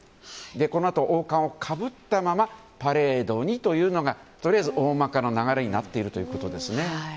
このあと、王冠をかぶったままパレードにというのがとりあえず大まかな流れになっているということですね。